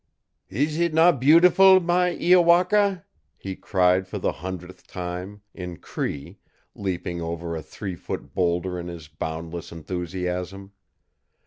"Is it not beautiful, my Iowaka?" he cried for the hundredth time, in Cree, leaping over a three foot boulder in his boundless enthusiasm.